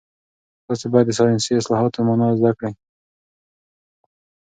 تاسي باید د ساینسي اصطلاحاتو مانا زده کړئ.